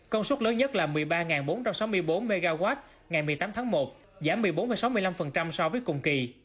công suất lớn nhất là một mươi ba bốn trăm sáu mươi bốn mw ngày một mươi tám tháng một giảm một mươi bốn sáu mươi năm so với cùng kỳ